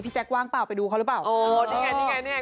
พี่แจ๊กว่างเปล่าไปดูเขาหรือเปล่า